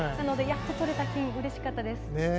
なので、やっととれた金うれしかったです。